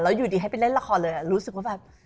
อยู่ดีให้ไปเล่นละครเลยรู้สึกว่าแบบ